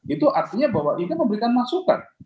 itu artinya bahwa ini memberikan masukan